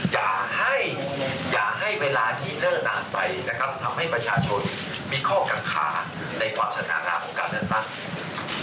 อย่าให้เวลาที่เลิกนานไปนะครับทำให้ประชาชนมีข้อกัดขาในความสน่างค่าของการละตัด